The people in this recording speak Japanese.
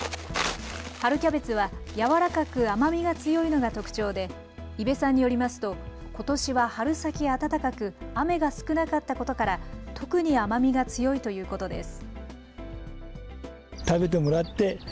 春キャベツは柔らかく、甘みが強いのが特徴で伊部さんによりますと、ことしは春先暖かく雨が少なかったことから特に甘みが強いということです。